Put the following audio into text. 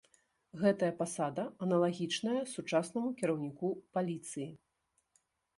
Гэтая пасада аналагічная сучаснаму кіраўніку паліцыі.